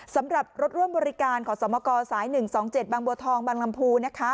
สำหรับรถร่วมบริการขอสมกสาย๑๒๗บางบัวทองบางลำพูนะคะ